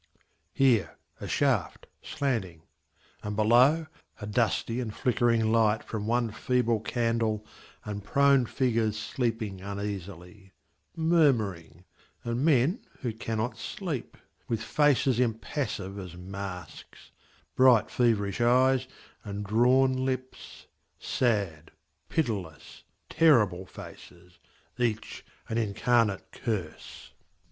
Here a shaft, slanting, and below A dusty and flickering light from one feeble candle And prone figures sleeping uneasily, Murmuring, And men who cannot sleep, With faces impassive as masks, Bright, feverish eyes, and drawn lips, Sad, pitiless, terrible faces, Each an incarnate curse.